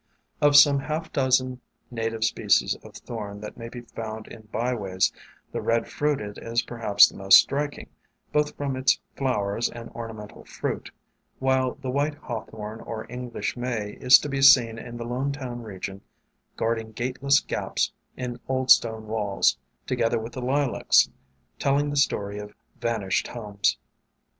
Of some half dozen native species of Thorn that may be found in byways, the Red fruited is perhaps the most striking, both from its flowers and orna mental fruit, while the White Hawthorn or Eng lish May is to be seen in the Lonetown region guarding gateless gaps in old stone walls, to gether with the Lilacs, telling the story of van ished homes.